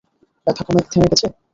ব্যথা থেমে গেছে?